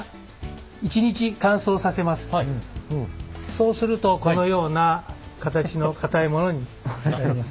そうするとこのような形の固いものになります。